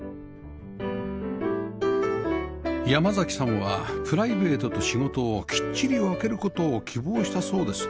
山さんはプライベートと仕事をきっちり分ける事を希望したそうです